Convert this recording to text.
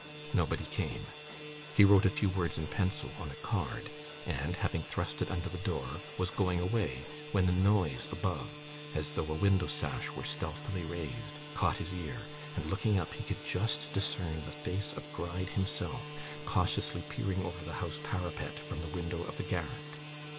Nobody came. He wrote a few words in pencil on a card, and having thrust it under the door was going away, when a noise above, as though a window sash were stealthily raised, caught his ear, and looking up he could just discern the face of Gride himself, cautiously peering over the house parapet from the window of the garret.